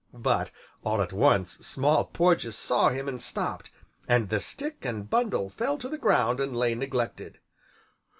But, all at once, Small Porges saw him and stopped, and the stick and bundle fell to the ground and lay neglected.